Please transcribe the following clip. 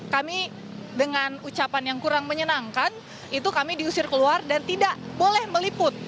kami dengan ucapan yang kurang menyenangkan itu kami diusir keluar dan tidak boleh meliput